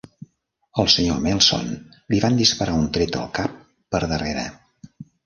Al Sr. Melson li van disparar un tret al cap per darrere.